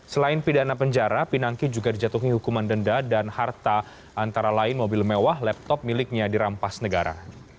selain pidana penjara pinangki juga dijatuhi hukuman denda dan harta antara lain mobil mewah laptop miliknya dirampas negara